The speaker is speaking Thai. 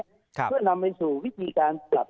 เพื่อนำไปสู่วิธีการปรับ